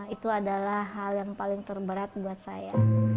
itu adalah hal yang paling terberat buat saya